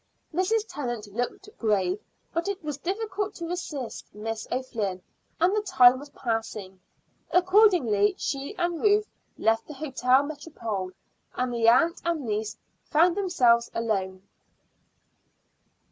Mrs. Tennant looked grave, but it was difficult to resist Miss O'Flynn, and the time was passing. Accordingly she and Ruth left the Hôtel Métropole, and the aunt and niece found themselves alone.